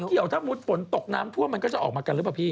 เกี่ยวถ้ามุติฝนตกน้ำท่วมมันก็จะออกมากันหรือเปล่าพี่